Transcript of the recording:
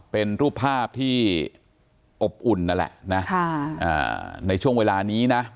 เป็นรูปภาพที่อบอุ่นนั่นแหละนะในช่วงเวลานี้นะ